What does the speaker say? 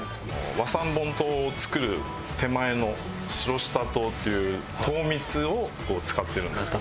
和三盆糖を作る手前の白下糖っていう糖蜜を使っているんですけど。